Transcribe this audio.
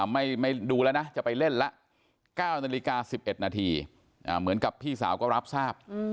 ไม่ดูแล้วนะจะไปเล่นละ๙นาฬิกา๑๑นาทีเหมือนกับพี่สาวก็รับทราบ